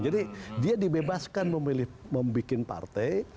jadi dia dibebaskan memilih membuat partai